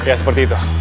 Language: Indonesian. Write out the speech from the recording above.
ya seperti itu